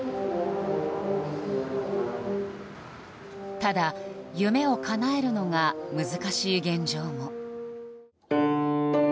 ただ、夢をかなえるのが難しい現状も。